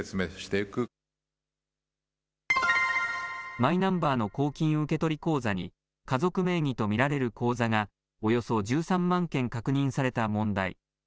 マイナンバーの公金受取口座に家族名義と見られる口座がおよそ１３万件確認された問題。